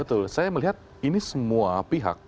betul saya melihat ini semua pihak